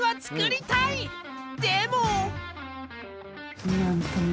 でも。